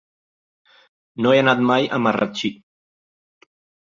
No he anat mai a Marratxí.